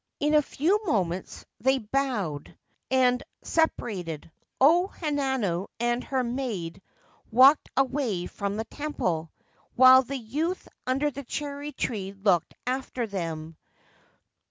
In a few moments they bowed and separated. O Hanano and her maid walked away from the temple, while the youth under the cherry tree looked after them.